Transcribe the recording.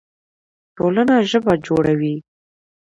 ټولنه ژبه جوړوي.